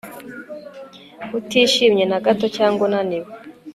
utishimye nagato cyangwa urananiwe